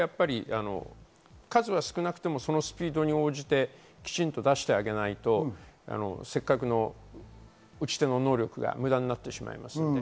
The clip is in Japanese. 数は少なくともそのスピードに応じてきちんと出してあげないと、せっかくの打ち手の努力が無駄になってしまいます。